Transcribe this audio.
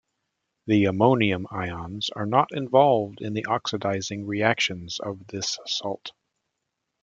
The ammonium ions are not involved in the oxidising reactions of this salt.